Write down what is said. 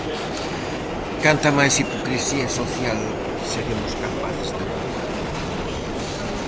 Canta máis hipocrisía social seremos capaces de aturar?